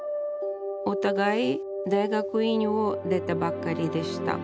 お互い大学院を出たばかりでした。